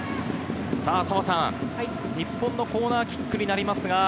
日本のコーナーキックになります。